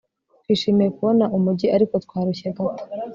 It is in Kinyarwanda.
Twishimiye kubona umujyi ariko twarushye gato